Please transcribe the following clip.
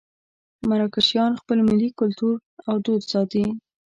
مراکشیان خپل ملي کولتور او دود ساتي.